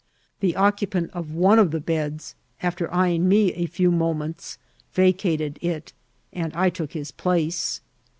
The occupant of one of the beds, after eying me a few mo« ments, vacated it, and I took his place.